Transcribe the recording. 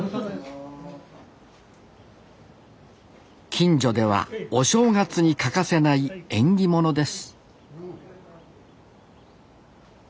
近所ではお正月にかかせない縁起ものです